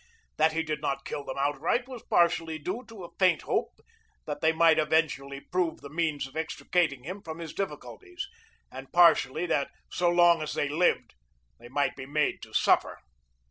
That he did not kill them outright was partially due to a faint hope that they might eventually prove the means of extricating him from his difficulties and partially that so long as they lived they might still be made to suffer.